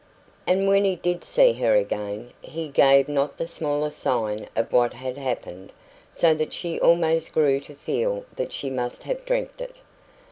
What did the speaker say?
And when he did see her again, he gave not the smallest sign of what had happened, so that she almost grew to feel that she must have dreamt it.